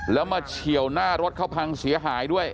แล้วมาเฉียวหน้ารถเขาพังเสียหายด้วย